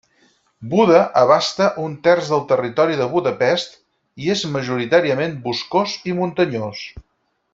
Buda abasta un terç del territori de Budapest i és majoritàriament boscós i muntanyós.